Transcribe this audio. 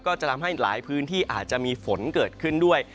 ก็จะทำให้หลายพื้นที่อาจจะมีฝนเกิดขึ้นด้วย